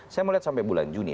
saya mau lihat sampai bulan juni